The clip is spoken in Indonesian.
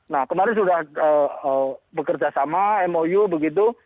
nah kemarin sudah bekerja sama mou begitu